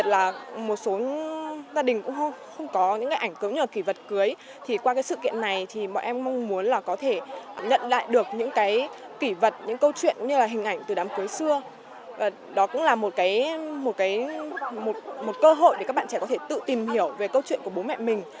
câu chuyện cũng như là hình ảnh từ đám cưới xưa đó cũng là một cơ hội để các bạn trẻ có thể tự tìm hiểu về câu chuyện của bố mẹ mình